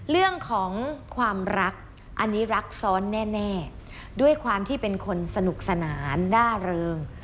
เรื่องของความรักอันนี้รักซ้อนแน่ด้วยความที่เป็นคนสนุกสนานร่าเริง